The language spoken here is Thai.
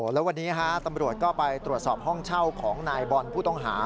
แล้ววันนี้ตำรวจก็ไปตรวจสอบห้องเช่าของนายบอลผู้ต้องหา